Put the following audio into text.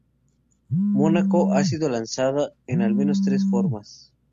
Monaco ha sido lanzada en al menos tres formas.